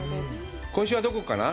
今週はどこかな？